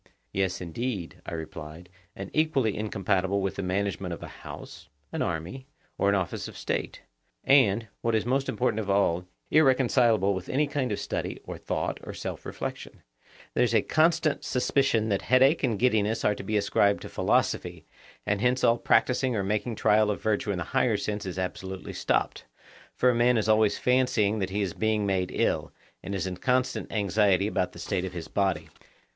Yes, indeed, I replied, and equally incompatible with the management of a house, an army, or an office of state; and, what is most important of all, irreconcileable with any kind of study or thought or self reflection—there is a constant suspicion that headache and giddiness are to be ascribed to philosophy, and hence all practising or making trial of virtue in the higher sense is absolutely stopped; for a man is always fancying that he is being made ill, and is in constant anxiety about the state of his body.